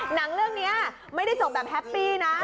หนังเล่าเหรอเนี่ยไม่ได้ตกแบบแฮปปี้นะ